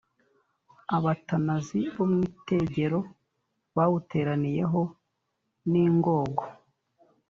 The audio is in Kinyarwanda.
abatanazi bo mu itegero bawuteraniyeho n'ingogo,